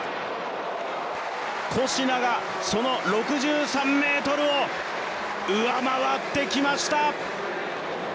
コシナが６３ｍを上回ってきました。